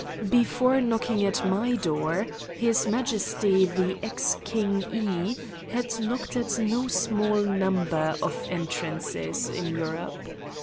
Before knocking at my door, His Majesty, the ex King E. had knocked at no small number of entrances in Europe.